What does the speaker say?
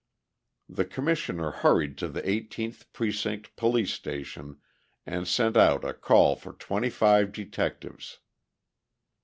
The Commissioner hurried to the 18th precinct police station and sent out a call for twenty five detectives.